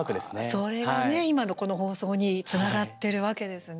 それがね、今のこの放送につながってるわけですね。